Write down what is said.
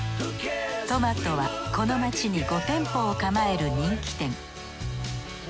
トマトはこの街に５店舗を構える人気店。